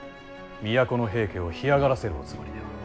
都の平家を干上がらせるおつもりでは。